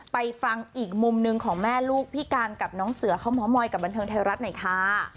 ไปฟังอีกมุมหนึ่งของแม่ลูกพี่การกับน้องเสือเขาเมาสอยกับบันเทิงไทยรัฐหน่อยค่ะ